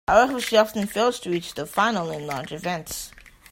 However, she often failed to reach the final in large events.